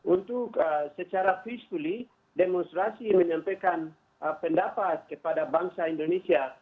untuk secara visually demonstrasi menyampaikan pendapat kepada bangsa indonesia